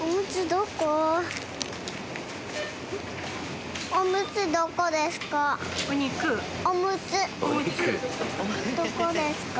どこですか？